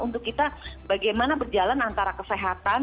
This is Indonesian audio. untuk kita bagaimana berjalan antara kesehatan